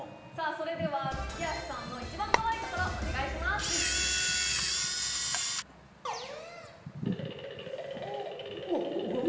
それでは月足さんの一番かわいいところお願いします・うわ